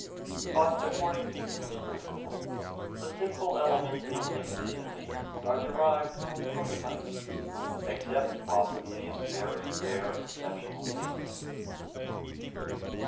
But according to Hume's principle, the simple elements in an image, at least, are derived from prototypes except possibly in very rare exceptional cases.